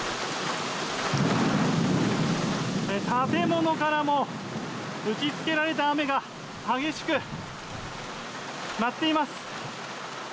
建物からも打ち付けられた雨が激しく舞っています。